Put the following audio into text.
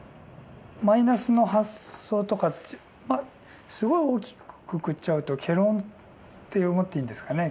マイナスの発想とかってすごい大きくくくっちゃうと「戯論」って思っていいんですかね